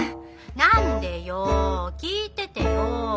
何でよ聞いててよ。